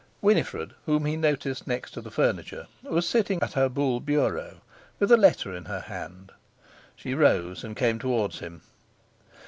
Winifred, whom he noticed next to the furniture, was sitting at her Buhl bureau with a letter in her hand. She rose and came towards him.